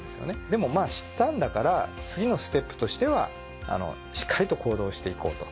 でもまぁ知ったんだから次のステップとしてはしっかりと行動して行こうと。